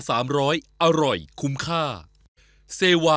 สามารถรับชมได้ทุกวัย